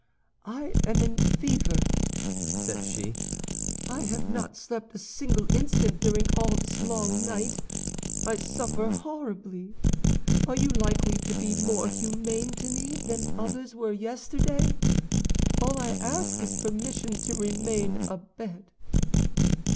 "I am in a fever," said she; "I have not slept a single instant during all this long night. I suffer horribly. Are you likely to be more humane to me than others were yesterday? All I ask is permission to remain abed."